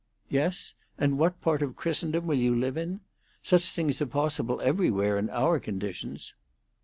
"Yes? And what part of Christendom will you live in? Such things are possible everywhere in our conditions."